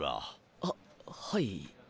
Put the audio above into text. ははい。